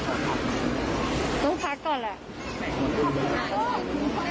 กลับเข้ากันแล้วกัน